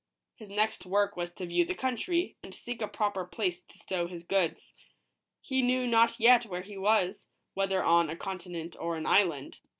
His next work was to view the country, and seek a proper place to stow his goods. He knew not yet where he was, whether on a continent or an island.